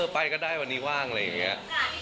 ไปก็ได้วันนี้ว่างอะไรอย่างนี้